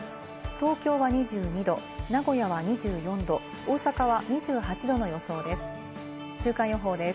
東京は２２度、名古屋は２４度、大阪は２８度の予想です。